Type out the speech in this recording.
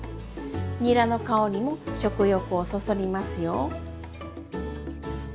にらの香りも食欲をそそりますよ。